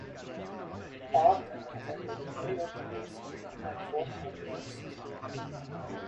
Burton attended New York University and Fordham University.